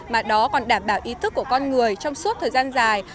mà đó còn đảm bảo ý thức của con người trong suốt thời gian dài